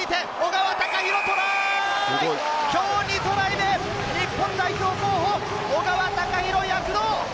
すごい！今日２トライ目、日本代表候補・小川高廣、躍動！